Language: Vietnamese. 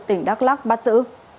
tỉnh đắk lắc bắt giữ